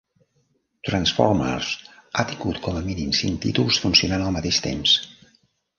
Transformers ha tingut com a mínim cinc títols funcionant al mateix temps.